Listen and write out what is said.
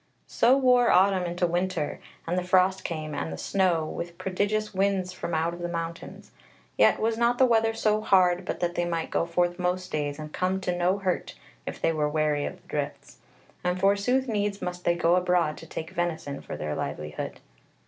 So wore autumn into winter, and the frost came, and the snow, with prodigious winds from out of the mountains: yet was not the weather so hard but that they might go forth most days, and come to no hurt if they were wary of the drifts; and forsooth needs must they go abroad to take venison for their livelihood.